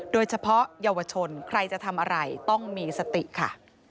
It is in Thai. โดยเฉพาะเยาวชนใครจะทำอะไรต้องมีสติค่ะ